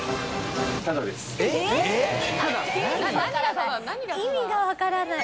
辻）意味が分からない。